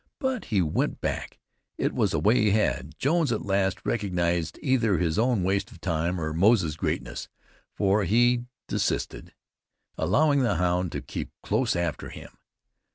But he went back. It was a way he had. Jones at last recognized either his own waste of time or Moze's greatness, for he desisted, allowing the hound to keep close after him.